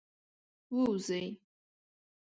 ووځی.